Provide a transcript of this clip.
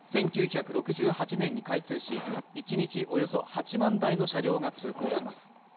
１９６８年に開通し１日およそ８万台の車両が通行します